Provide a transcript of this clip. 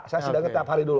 saya sidangnya tiap hari dulu